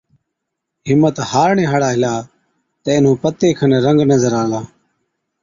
همٿ هارڻي هاڙا هِلا تہ اينهُون پتي کن رنگ نظر آلا۔